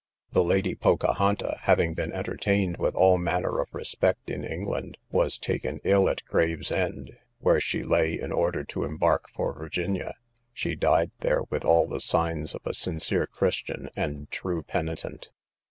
The lady Pocahonta, having been entertained with all manner of respect in England, was taken ill at Gravesend, where she lay in order to embark for Virginia; she died there with all the signs of a sincere Christian and true penitent.